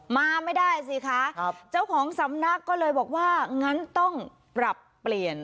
มาไม่ได้สิคะเจ้าของสำนักก็เลยบอกว่างั้นต้องปรับเปลี่ยน